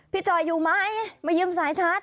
พี่จอยอยู่ไหมมายืมสายชาติ